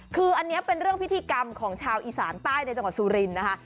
คืออันนี้เป็นเรื่องพิธีกรรมของชาวอีสานใต้ในจังหวัดสุรินทร์นะคะ